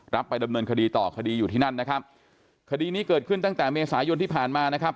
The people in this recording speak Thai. ไปดำเนินคดีต่อคดีอยู่ที่นั่นนะครับคดีนี้เกิดขึ้นตั้งแต่เมษายนที่ผ่านมานะครับ